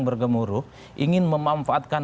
bergemuruh ingin memanfaatkan